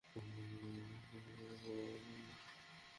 কে এমন সময়ে তার মানিব্যাগ আনতে যাবে?